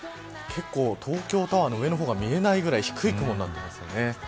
結構、東京タワーの上の方が見えないくらい低い雲になっていますね。